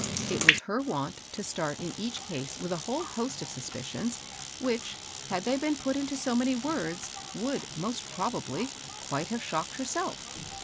It was her wont to start in each case with a whole host of suspicions, which, had they been put into so many words, would, most probably, quite have shocked herself.